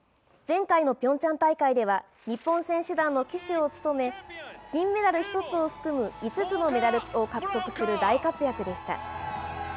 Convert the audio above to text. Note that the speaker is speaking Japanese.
前回のピョンチャン大会では、日本選手団の旗手を務め、金メダル１つを含む５つのメダルを獲得する大活躍でした。